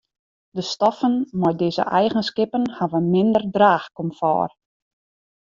De stoffen mei dizze eigenskippen hawwe minder draachkomfort.